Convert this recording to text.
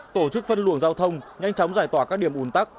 tổ chức phân luồng giao thông nhanh chóng giải tỏa các điểm ủn tắc